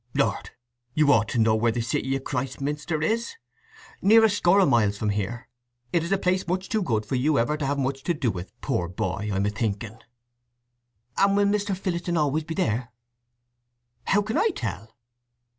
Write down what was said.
"Lord! you ought to know where the city of Christminster is. Near a score of miles from here. It is a place much too good for you ever to have much to do with, poor boy, I'm a thinking." "And will Mr. Phillotson always be there?" "How can I tell?"